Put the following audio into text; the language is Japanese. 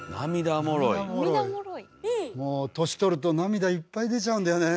もう年取ると涙いっぱい出ちゃうんだよね。